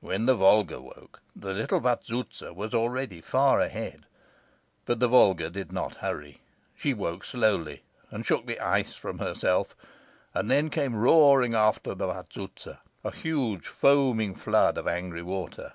When the Volga woke the little Vazouza was already far ahead. But the Volga did not hurry. She woke slowly and shook the ice from herself, and then came roaring after the Vazouza, a huge foaming flood of angry water.